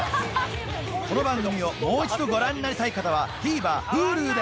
この番組をもう一度ご覧になりたい方はＴＶｅｒＨｕｌｕで